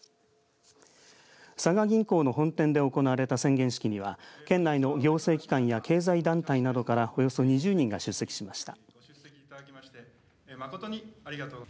佐賀銀行の本店で行われた宣言式には県内の行政機関や経済団体などからおよそ２０人が出席しました。